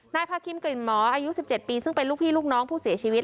พาคินกลิ่นหมออายุ๑๗ปีซึ่งเป็นลูกพี่ลูกน้องผู้เสียชีวิต